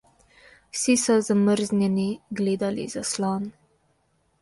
Vsi so zamrznjeni gledali zaslon.